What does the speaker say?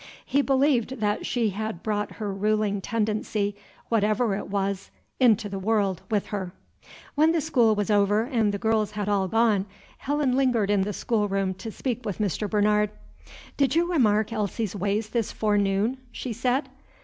He believed that she had brought her ruling tendency, whatever it was, into the world with her. When the school was over and the girls had all gone, Helen lingered in the schoolroom to speak with Mr. Bernard. "Did you remark Elsie's ways this forenoon?" she said.